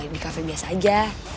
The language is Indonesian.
di cafe biasa aja